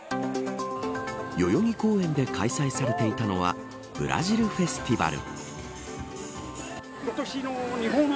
代々木公園で開催されていたのはブラジルフェスティバル。